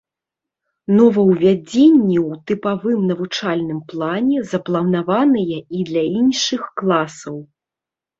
Новаўвядзенні ў тыпавым навучальным плане запланаваныя і для іншых класаў.